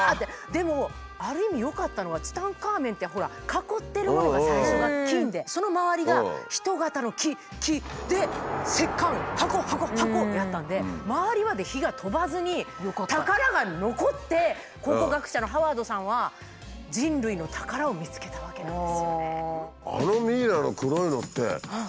でもある意味よかったのはツタンカーメンってほら囲ってるものが最初が金でその周りが人形の木木で石棺箱箱箱やったんで周りまで火が飛ばずに宝が残って考古学者のハワードさんは人類の宝を見つけたわけなんですよね。